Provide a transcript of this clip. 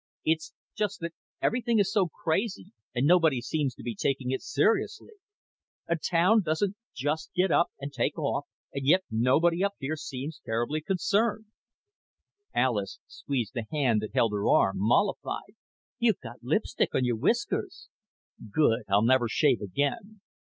"It's just that everything is so crazy and nobody seems to be taking it seriously. A town doesn't just get up and take off, and yet nobody up here seems terribly concerned." Alis squeezed the hand that held her arm, mollified. "You've got lipstick on your whiskers." "Good. I'll never shave again."